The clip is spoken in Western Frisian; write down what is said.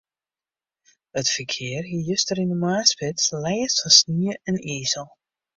It ferkear hie juster yn de moarnsspits lêst fan snie en izel.